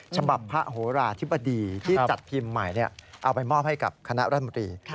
ฉบับพระโหราธิบดีที่จัดพิมพ์ใหม่เอาไปมอบให้กับคณะรัฐมนตรี